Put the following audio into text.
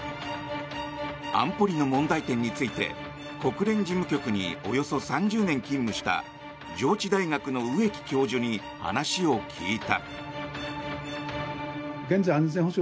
安保理の問題点について国連事務局におよそ３０年勤務した上智大学の植木教授に話を聞いた。